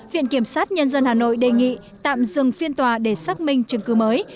viện kiểm sát nhân dân hà nội đề nghị tạm dừng phiên tòa để xác minh chứng cứ mới